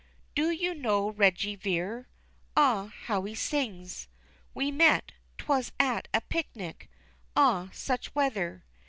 "Do you know Reggy Vere? Ah, how he sings! We met 'twas at a picnic. Ah, such weather!